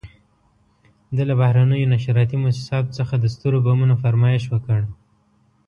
ده له بهرنیو نشراتي موسساتو څخه د سترو بمونو فرمایش وکړ.